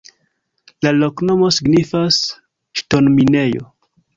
La loknomo signifas: ŝtonminejo.